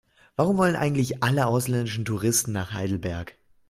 Warum wollen eigentlich alle ausländischen Touristen nach Heidelberg?